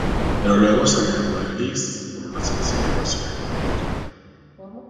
Pero luego se agregó el gris, por una sencilla razón económica.